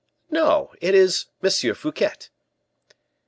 "No, it is Monsieur Fouquet."